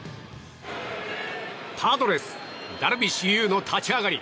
パドレス、ダルビッシュ有の立ち上がり。